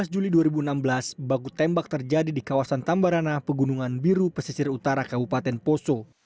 dua belas juli dua ribu enam belas baku tembak terjadi di kawasan tambarana pegunungan biru pesisir utara kabupaten poso